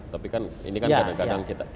tapi kan ini kan kadang kadang kita